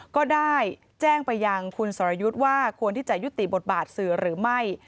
ก็ได้แจ้งไปยังคุณสรยุทธ์ว่าควรที่จะยุติบทบาทสื่อหรือไม่